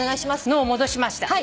脳を戻しました。